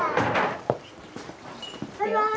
バイバーイ。